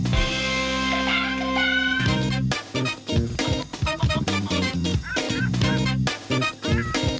โปรดติดตามตอนต่อไป